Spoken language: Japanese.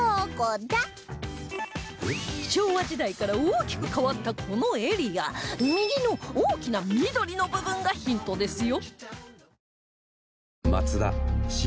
昭和時代から大きく変わったこのエリア右の大きな緑の部分がヒントですよ